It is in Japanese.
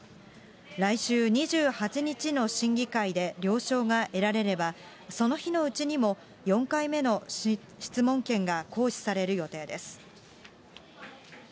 来週２８日の審議会で了承が得られれば、その日のうちにも、４回目の質問権が行使される予定です。